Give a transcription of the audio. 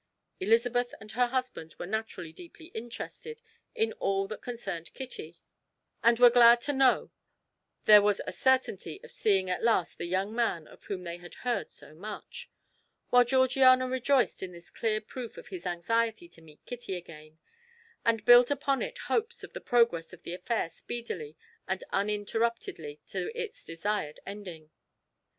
Elizabeth and her husband were naturally deeply interested in all that concerned Kitty, and were glad to know there was a certainty of seeing at last the young man of whom they had heard so much; while Georgiana rejoiced in this clear proof of his anxiety to meet Kitty again, and built upon it hopes of the progress of the affair speedily and uninterruptedly to its desired ending.